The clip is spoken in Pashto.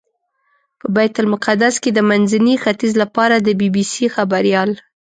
په بیت المقدس کې د منځني ختیځ لپاره د بي بي سي خبریال.